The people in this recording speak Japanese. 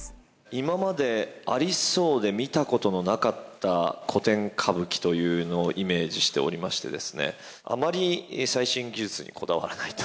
今までありそうで、見たことのなかった古典歌舞伎というのをイメージしておりましてですね、あまり最新技術にこだわらないと。